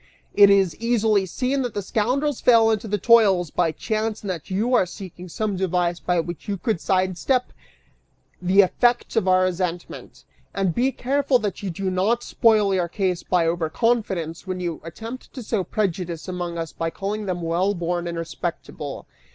It is easily seen that the scoundrels fell into the toils by chance and that you are seeking some device by which you could sidestep the effects of our resentment. And be careful that you do not spoil your case by over confidence when you attempt to sow prejudice among us by calling them well born and respectable!